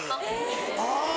あぁ。